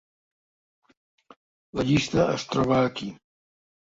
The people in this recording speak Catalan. La llista es troba aquí.